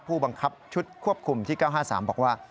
ผู้บังคับชุดควบคุมที่๙๕๓บอกว่า